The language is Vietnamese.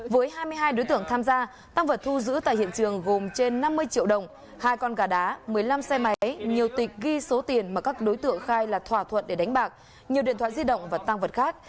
với hai mươi hai đối tượng tham gia tăng vật thu giữ tại hiện trường gồm trên năm mươi triệu đồng hai con gà đá một mươi năm xe máy nhiều tịch ghi số tiền mà các đối tượng khai là thỏa thuận để đánh bạc nhiều điện thoại di động và tăng vật khác